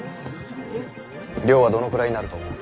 量はどのくらいになると思う？